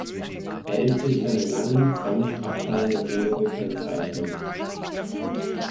Er ist durch seine langen, sanft abfallenden Hänge gekennzeichnet.